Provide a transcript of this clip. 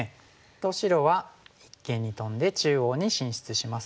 と白は一間にトンで中央に進出します。